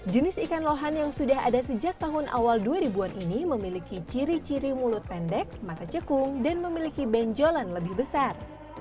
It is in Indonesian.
jenis ikan lohan yang sudah ada sejak tahun awal dua ribu an ini memiliki ciri ciri mulut pendek mata cekung dan memiliki benjolan lebih besar